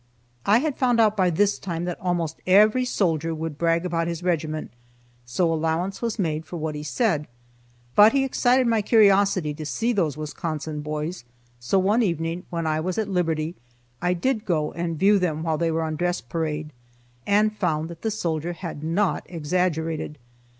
I had found out by this time that almost every soldier would brag about his regiment, so allowance was made for what he said. But he excited my curiosity to see those Wisconsin boys, so one evening when I was at liberty, I did go and view them while they were on dress parade, and found that the soldier had not exaggerated.